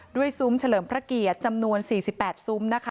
ด้วยซุ้มเฉลิมพระเกียรติจำนวน๔๘ซุ้ม